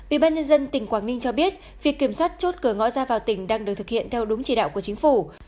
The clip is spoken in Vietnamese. ủy ban nhân dân tỉnh quảng ninh cho biết việc kiểm soát chốt cửa ngõ ra vào tỉnh đang được thực hiện theo đúng chỉ đạo của chính phủ